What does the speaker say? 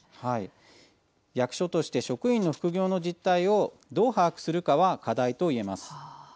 役所として、職員の副業の実態をどう把握するかは課題といえます。